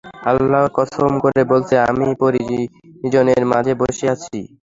আল্লাহর কসম করে বলছি, আমি পরিজনের মাঝে বসে আছি।